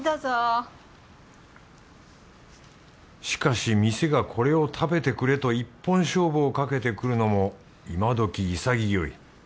しかし店がこれを食べてくれと一本勝負をかけてくるのも今どき潔い。